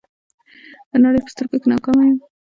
د نړۍ په سترګو کې ناکامه یم.